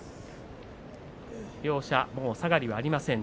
両者、もう下がりはありません。